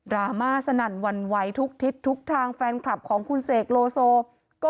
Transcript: รามาสนั่นหวั่นไหวทุกทิศทุกทางแฟนคลับของคุณเสกโลโซก็